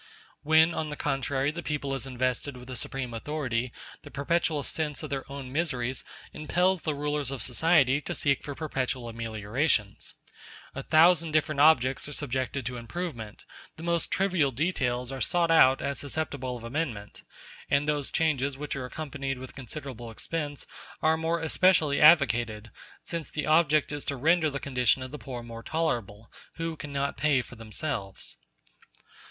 When, on the contrary, the people is invested with the supreme authority, the perpetual sense of their own miseries impels the rulers of society to seek for perpetual ameliorations. A thousand different objects are subjected to improvement; the most trivial details are sought out as susceptible of amendment; and those changes which are accompanied with considerable expense are more especially advocated, since the object is to render the condition of the poor more tolerable, who cannot pay for themselves.